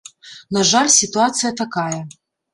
На жаль, сітуацыя такая.